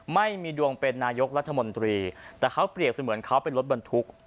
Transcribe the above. ไม่มีดวงเป็นนายกรัฐมนตรีแต่เขาเปรียบเสมือนเขาเป็นรถบรรทุก